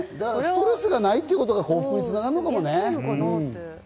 ストレスがないということが幸福に繋がるのかもね。